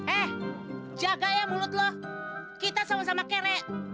eh jaga ya mulut lo kita sama sama kere